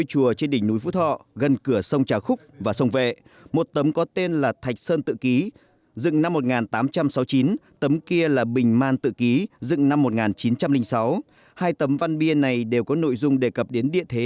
các kịch bản biến đổi khí hậu có nội dung đề cập đến địa thế